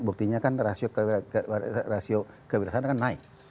buktinya kan rasio kebiasaan kan naik